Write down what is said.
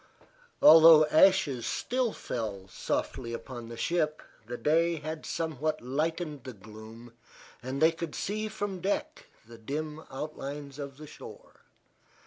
Although ashes still fell softly upon the ship the day had somewhat lightened the gloom and they could see from deck the dim outlines of the shore.